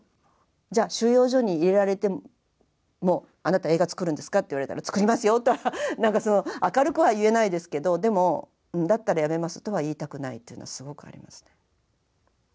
じゃあ収容所に入れられてもあなた映画作るんですかって言われたら作りますよとはなんかその明るくは言えないですけどでもだったらやめますとは言いたくないというのはすごくありますね。